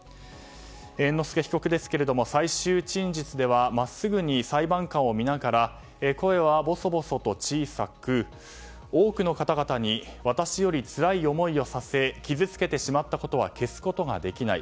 猿之助被告ですが最終陳述では真っすぐに裁判官を見ながら声はぼそぼそと小さく多くの方々に私よりつらい思いをさせ傷つけてしまったことは消すことができない。